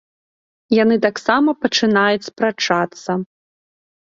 Яны таксама пачынаюць спрачацца.